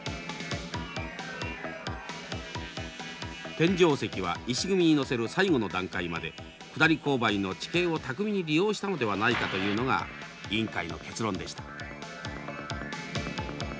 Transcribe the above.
天井石は石組みに載せる最後の段階まで下り勾配の地形を巧みに利用したのではないかというのが委員会の結論でした。